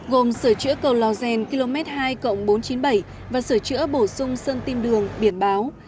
gồm sửa chữa cầu lò gèn km hai bốn trăm chín mươi bảy và sửa chữa bổ sung sân tim đường biển báo